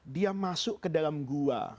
dia masuk ke dalam gua